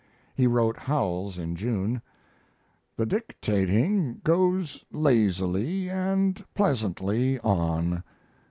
He wrote Howells in June: The dictating goes lazily and pleasantly on.